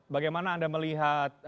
bagaimana anda melihat